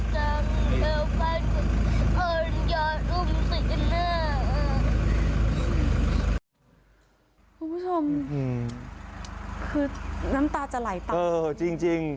คุณผู้ชมคือน้ำตาจะไหลตามเออจริง